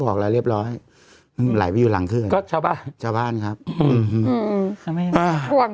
โทษทีน้องโทษทีน้อง